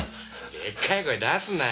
でっかい声出すなよ。